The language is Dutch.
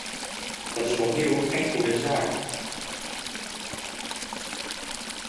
Dat is opnieuw geen goede zaak.